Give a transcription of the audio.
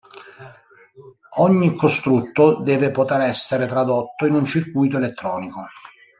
Ogni costrutto deve poter essere tradotto in un circuito elettronico.